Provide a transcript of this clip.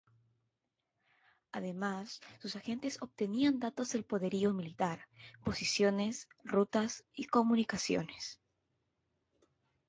Además, sus agentes obtenían datos del poderío militar, posiciones, rutas y comunicaciones.